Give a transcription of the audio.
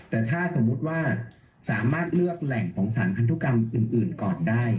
แต่ถ้าสมมุติว่าสามารถเลือกแหล่งของสารพันธุกรรมอื่นก่อนได้